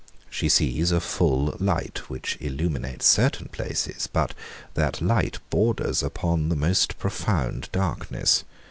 She sees a full light, which illuminates certain places; but that light borders upon the most profound darkness.